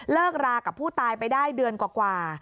รากับผู้ตายไปได้เดือนกว่า